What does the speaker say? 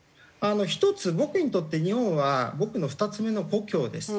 １つ僕にとって日本は僕の２つ目の故郷です。